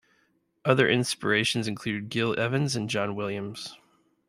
Other inspirations include Gil Evans and John Williams.